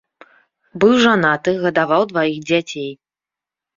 Быў жанаты, гадаваў дваіх дзяцей.